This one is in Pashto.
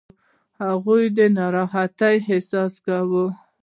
هغه به د ناراحتۍ احساس کوي.